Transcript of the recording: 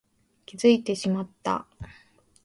気づいてしまった